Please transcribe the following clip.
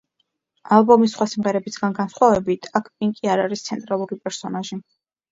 ალბომის სხვა სიმღერებისგან განსხვავებით, აქ პინკი არ არის ცენტრალური პერსონაჟი.